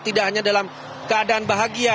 tidak hanya dalam keadaan bahagia